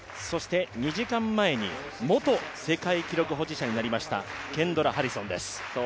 ２時間前に元世界記録保持者になりましたケンドラ・ハリソンです。